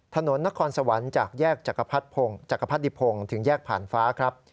ถนนนครสวรรค์จากแยกจักรพรรดิพงศ์ถึงแยกผ่านฟ้าครับ